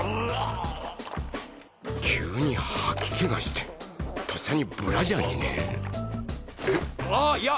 急に吐き気がしてとっさにブラジャーにねあっいや